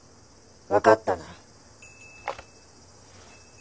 分かったな。